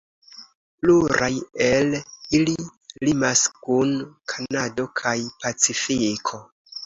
Pluraj el ili limas kun Kanado kaj Pacifiko.